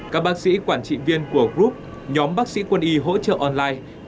các bác sĩ quản trị viên của group nhóm bác sĩ quân y hỗ trợ online